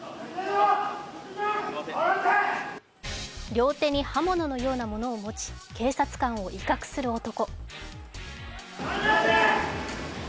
両手に刃物のようなものを持ち、警察官を威嚇する男。